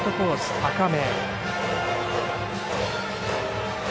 高め。